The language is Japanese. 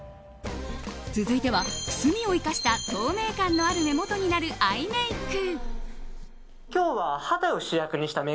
続いては、くすみを生かした透明感のある目元になるアイメイク。